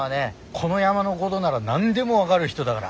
この山のごどなら何でも分がる人だがら。